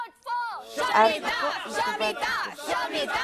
Ártico y subártico.